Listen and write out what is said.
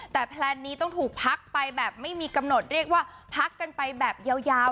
แต่แพลนนี้ต้องถูกพักไปแบบไม่มีกำหนดเรียกว่าพักกันไปแบบยาว